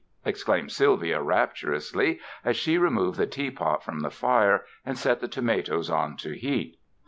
exclaimed Sylvia rapturously, as she removed the teapot from the fire and set the tomatoes on to heat.